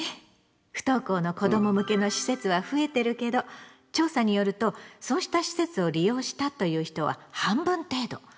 不登校の子ども向けの施設は増えてるけど調査によるとそうした施設を利用したという人は半分程度。